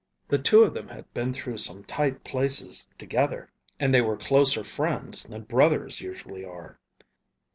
The two of them had been through some tight places together and they were closer friends than brothers usually are.